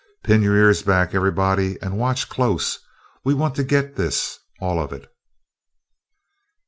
Pin your ears back, everybody, and watch close we want to get this, all of it."